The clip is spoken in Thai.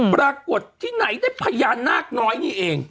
ปรากฏที่ไหนได้พญานาคน้อยนี่เอง